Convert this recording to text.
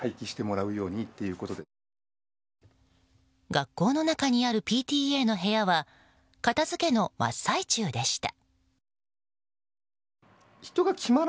学校の中にあるＰＴＡの部屋は片付けの真っ最中でした。